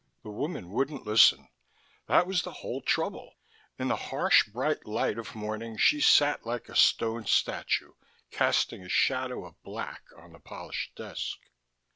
The woman wouldn't listen, that was the whole trouble: in the harsh bright light of morning she sat like a stone statue, casting a shadow of black on the polished desk.